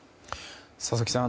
佐々木さん